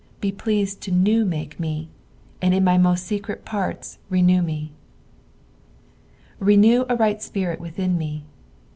be pleased to new make me, and^n my most secret parts " Renew a right spirit irilhia m».